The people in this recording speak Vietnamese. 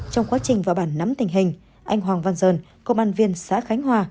trong quá trình vào bản nắm tình hình anh hoàng văn dơn công an viên xã khánh hòa